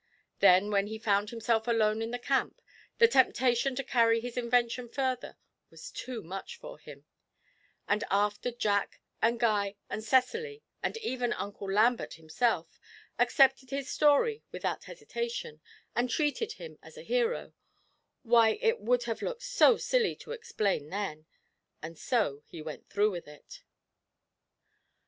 Then when he found himself alone in the camp, the temptation to carry his invention further was too much for him; and after Jack and Guy and Cecily, and even Uncle Lambert himself, accepted his story without hesitation, and treated him as a hero why, it would have looked so silly to explain then, and so he went through with it.